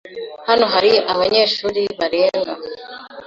Hano hari abanyeshuri barenga